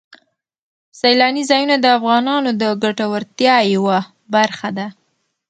سیلاني ځایونه د افغانانو د ګټورتیا یوه برخه ده.